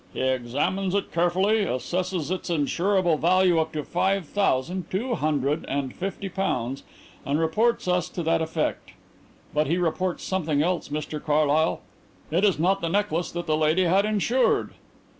He examines it carefully, assesses its insurable value up to five thousand, two hundred and fifty pounds, and reports us to that effect. But he reports something else, Mr Carlyle. It is not the necklace that the lady had insured."